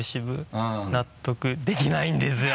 うん。納得できないんですよ。